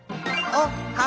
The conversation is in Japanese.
おっは！